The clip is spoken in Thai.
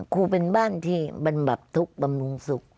เป็นบ้านที่บรรบัดทุกข์บำรุงสุข